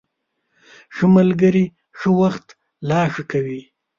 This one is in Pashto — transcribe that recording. ښه ملګري ښه وخت لا ښه کوي.